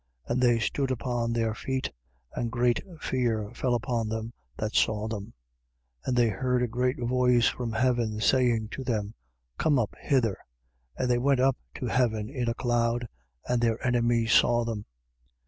And they stood upon their feet: and great fear fell upon them that saw them. 11:12. And they heard a great voice from heaven, saying to them: Come up hither. And they went up to heaven in a cloud: and their enemies saw them.